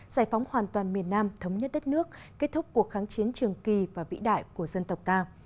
giải phóng hoàn toàn miền nam thống nhất đất nước kết thúc cuộc kháng chiến trường kỳ và vĩ đại của dân tộc ta